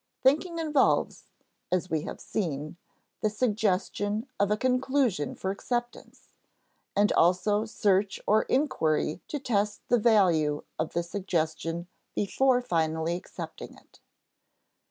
Thinking involves (as we have seen) the suggestion of a conclusion for acceptance, and also search or inquiry to test the value of the suggestion before finally accepting it.